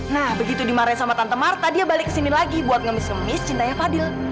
nah begitu dimarahin sama tante marta dia balik ke sini lagi buat ngemis ngemis cintanya fadil